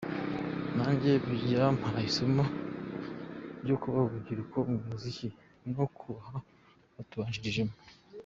Nanjye byampaye isomo ryo kubaha urubyiruko mu muziki no kubaha abatubanjirijemo.